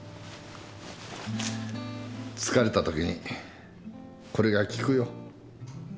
疲れたときにこれが効くよ。